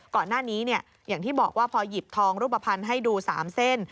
ก่อนหน้านี้อย่างที่บอกว่าพอหยิบทองรูปภัณฑ์ให้ดู๓เส้น